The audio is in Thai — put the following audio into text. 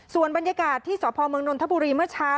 ส่วนบรรยากาศที่สพเมืองนนทบุรีเมื่อเช้า